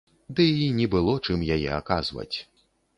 Ды і не было чым яе аказваць.